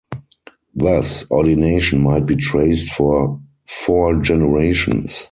Thus ordination might be traced for four generations.